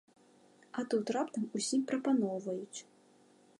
А тут раптам усім прапаноўваюць.